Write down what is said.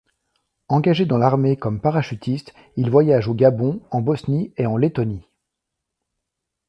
Engagé dans l'armée comme parachutiste, il voyage au Gabon, en Bosnie et en Lettonie.